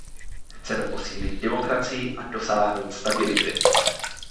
Chceme posílit demokracii a dosáhnout stability.